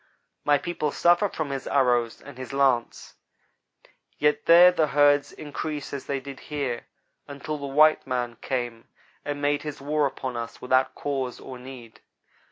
My people suffer from his arrows and his lance, yet there the herds increase as they did here, until the white man came and made his war upon us without cause or need.